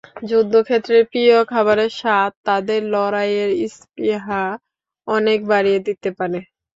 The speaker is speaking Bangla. যুদ্ধক্ষেত্রে প্রিয় খাবারের স্বাদ তাঁদের লড়াইয়ের স্পৃহা অনেক বাড়িয়ে দিতে পারে।